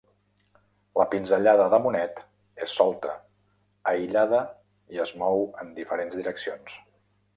La pinzellada de Monet és solta, aïllada i es mou en diferents direccions.